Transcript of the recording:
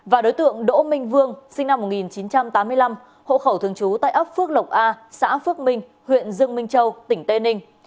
và đối tượng đỗ minh vương sinh năm một nghìn chín trăm tám mươi năm hộ khẩu thường trú tại ấp phước lộc a xã phước minh huyện dương minh châu tỉnh tây ninh